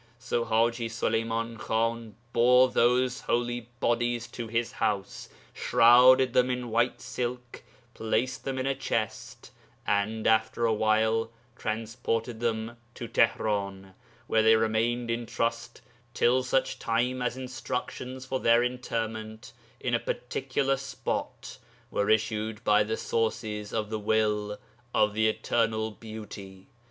'So Haji Suleyman Khan bore those holy bodies to his house, shrouded them in white silk, placed them in a chest, and, after a while, transported them to Tihran, where they remained in trust till such time as instructions for their interment in a particular spot were issued by the Sources of the will of the Eternal Beauty.